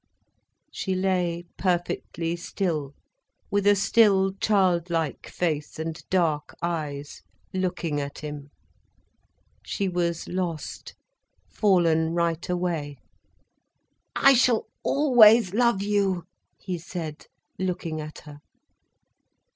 She lay perfectly still, with a still, child like face and dark eyes, looking at him. She was lost, fallen right away. "I shall always love you," he said, looking at her.